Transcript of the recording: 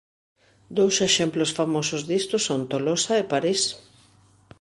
Dous exemplos famosos disto son Tolosa e París.